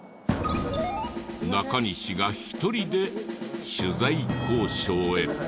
中西が１人で取材交渉へ。